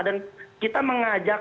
dan kita mengajak